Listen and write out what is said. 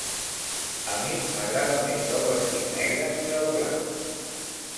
A mi m'agrada més el vestit negre que el blanc.